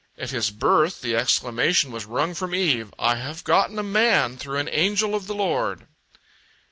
At his birth, the exclamation was wrung from Eve, "I have gotten a man through an angel of the Lord."